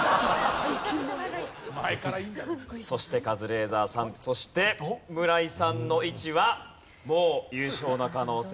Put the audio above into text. そしてカズレーザーさんそして村井さんの位置はもう優勝の可能性がなくなりました。